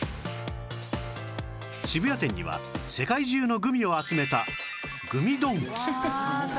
渋谷店には世界中のグミを集めたグミドンキ